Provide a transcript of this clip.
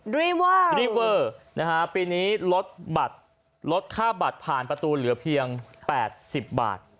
ดรีเวอร์ปีนี้ลดค่าบัตรผ่านประตูเหลือเพียง๘๐บาท